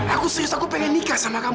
aku serius aku pengen nikah sama kamu